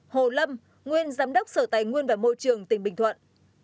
hai hồ lâm nguyên giám đốc sở tài nguyên và môi trường tỉnh bình thuận